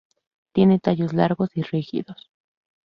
Tiene tallos largos y rígidos.